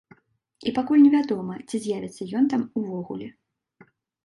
І пакуль невядома, ці з'явіцца ён там увогуле.